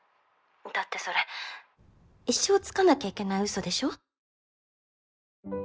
だってそれ一生つかなきゃいけないうそでしょ？